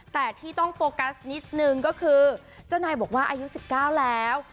แต่ที่ต้องโฟกัสนิดนึงก็คือเจ้านายบอกว่าอายุ๑๙แล้ว